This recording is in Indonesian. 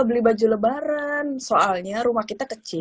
beli baju lebaran soalnya rumah kita kecil